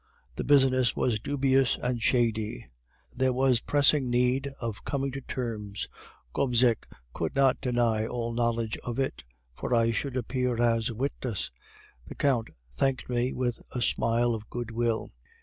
The business was dubious and shady; there was pressing need of coming to terms. Gobseck could not deny all knowledge of it, for I should appear as a witness. The Count thanked me with a smile of good will.